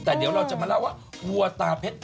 แต่เดี๋ยวเราจะมาเล่าว่าวัวตาเพชร